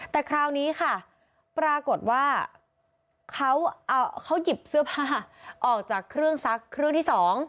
แต่คราวนี้ค่ะปรากฏว่าเขาหยิบเสื้อผ้าออกจากเครื่องซักเครื่องที่๒